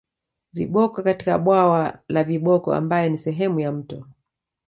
Viboko katika bwawa la viboko ambayo ni sehemu ya mto